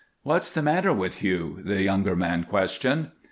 "] "What's the matter with you?" the younger man questioned.